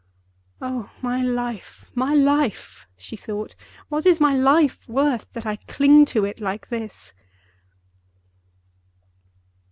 "Oh, my life! my life!" she thought; "what is my life worth, that I cling to it like this?"